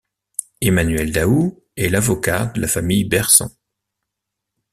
Emmanuel Daoud est l'avocat de la famille Berson.